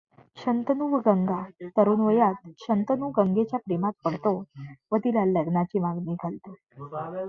शंतनू व गंगा तरूणवयात शंतनू गंगेच्या प्रेमात पडतो व तिला लग्नाची मागणी घालतो.